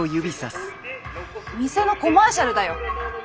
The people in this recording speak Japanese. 店のコマーシャルだよ。